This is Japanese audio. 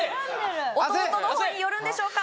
弟のほうに寄るんでしょうか？